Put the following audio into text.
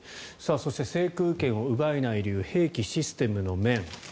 そして制空権を奪えない理由兵器、システムの面。